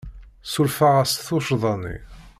Ssurfeɣ-as tuccḍa-nni.